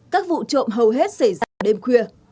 các vụ trộm hầu hết xảy ra đêm khuya